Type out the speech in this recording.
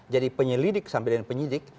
jadi penyelidik sambil penyidik